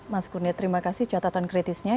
mas kurnia terima kasih catatan kritisnya